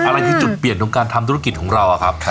อะไรคือจุดเปลี่ยนของการทำธุรกิจของเราอะครับ